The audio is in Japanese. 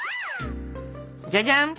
じゃじゃん！